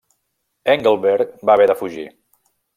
Engelbert va haver de fugir.